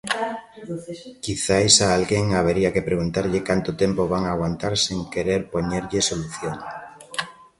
Quizais a alguén habería que preguntarlle canto tempo van aguantar sen querer poñerlle solución.